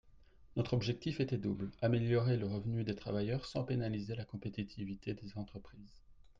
Notre objectif était double : améliorer le revenu des travailleurs sans pénaliser la compétitivité des entreprises.